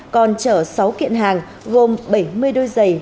có sáu kiện hàng gồm bảy mươi đôi giày